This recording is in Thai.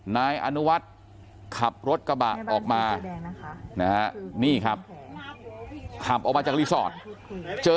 นายอนุวัฒน์ขับรถกระบะออกมานะฮะนี่ครับขับออกมาจากรีสอร์ทเจอ